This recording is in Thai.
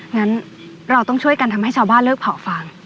งั้นเราต้องช่วยกันทำให้ชาวบ้านเลิกเผาฟาง